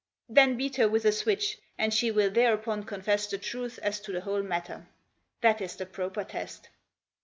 Then beat her with a switch, and she will thereupon confess the truth as to the whole matter. That is the proper test."